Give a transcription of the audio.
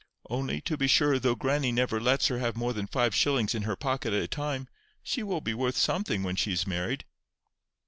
Only, to be sure, though grannie never lets her have more than five shillings in her pocket at a time, she will be worth something when she is married."